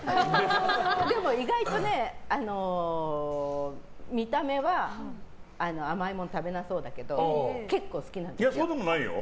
でも意外と見た目は甘いもの食べなそうだけどいや、そうでもないよ？